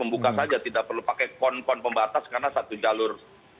buka saja tidak perlu pakai kon pembatas karena satu jalur